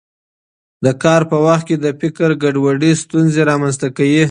د کار په وخت کې د فکر ګډوډي ستونزې رامنځته کوي.